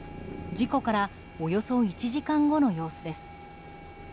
事故からおよそ１時間後の様子です。